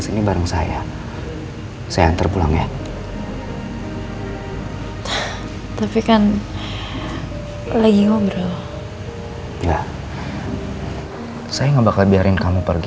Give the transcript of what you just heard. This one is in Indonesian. sekarang gak ada yang ganggu kamu lagi